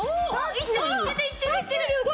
いってるいってる！